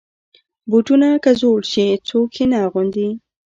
بوټونه که زوړ شي، څوک یې نه اغوندي.